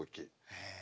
へえ。